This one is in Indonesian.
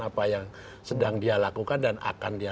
apa yang sedang dia lakukan dan akan dia